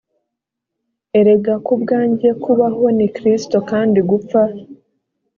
erega ku bwanjye kubaho ni kristo kandi gupfa